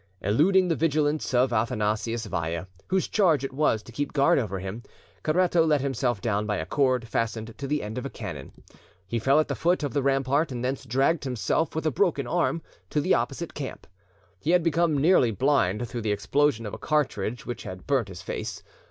Eluding the vigilance of Athanasius Vaya, whose charge it was to keep guard over him, Caretto let himself down by a cord fastened to the end of a cannon: He fell at the foot of the rampart, and thence dragged himself, with a broken arm, to the opposite camp. He had become nearly blind through the explosion of a cartridge which had burnt his face.